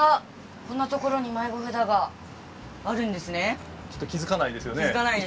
こんなところに迷子札があるんですね。